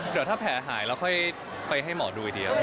เดี๋ยวถ้าแผลหายแล้วค่อยไปให้หมอดูทีเดียว